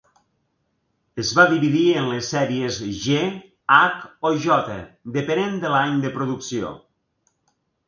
Es va dividir en les sèries G, H o J, depenent de l'any de producció.